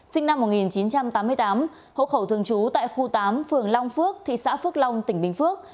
sinh năm một nghìn chín trăm tám mươi tám hộ khẩu thường trú tại khu tám phường long phước thị xã phước long tỉnh bình phước